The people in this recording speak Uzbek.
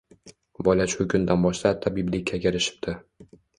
Bola shu kundan boshlab tabiblikka kirishibdi